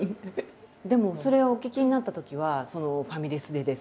でもそれをお聞きになったときはファミレスでですよ